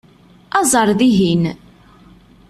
Aẓ ar dihin!